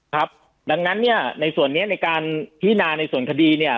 ครับดังนั้นเนี่ยในส่วนนี้ในการพินาในส่วนคดีเนี่ย